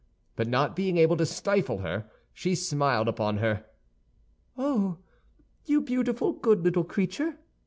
But not being able to stifle her, she smiled upon her. "Oh, you beautiful, good little creature!"